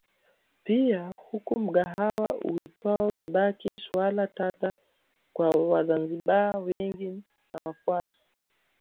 Pia kuna mgahawa uitwao zebaki Suala tata kwa Wazinzibari wengi na wafuasi